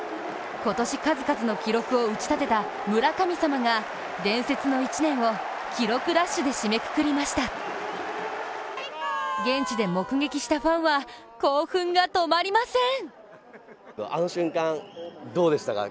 今年数々の記録を打ち立てた村神様が伝説の１年を、記録ラッシュで締めくくりました現地で目撃したファンは興奮が止まりません！